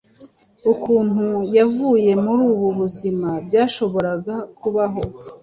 Ukuntu yavuye muri ubu buzima byashobokaga kubaho